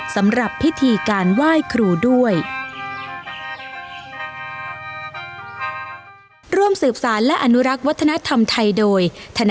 สำหรับพิธีการไหว้ครูด้วย